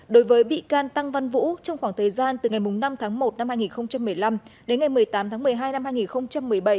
đối với bị can tăng văn vũ trong khoảng thời gian từ ngày năm tháng một năm hai nghìn một mươi năm đến ngày một mươi tám tháng một mươi hai năm hai nghìn một mươi bảy